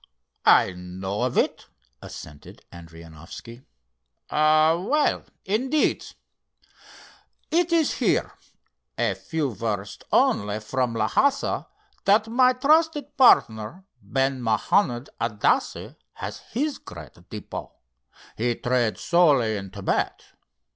"I know of it," assented Adrianoffski—"ah, well, indeed. It is here, a few versts only from Lhassa, that my trusted partner, Ben Mahanond Adasse, has his great depot. He trades solely in Thibet.